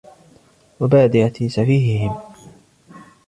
وَبَادِرَةِ سَفِيهِهِمْ